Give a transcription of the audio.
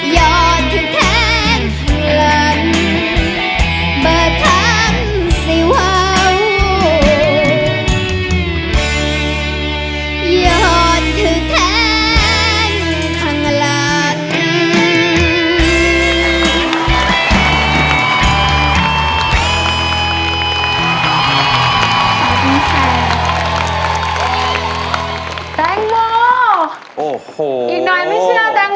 ยอดที่แทงข้างหลัง